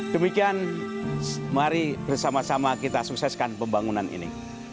demikian mari bersama sama kita sukseskan pembangunan ini